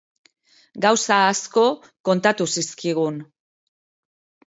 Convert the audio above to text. Gauza asko kontatu zizkigun.